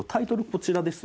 こちらです。